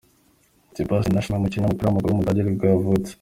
Sebastian Nachreiner, umukinnyi w’umupira w’amaguru w’umudage nibwo yavutse.